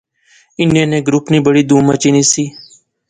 انیں نے گروپ نی بڑی دھوم مچی نی سی